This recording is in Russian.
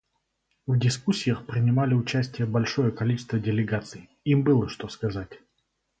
В дискуссиях принимали участие большое число делегаций; им было что сказать.